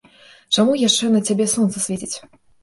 Чаму яшчэ на цябе сонца свеціць?